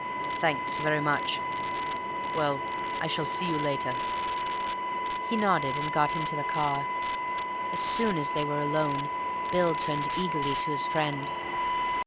"Thanks very much. Well, I shall see you later." He nodded and got into the car. As soon as they were alone Bill turned eagerly to his friend.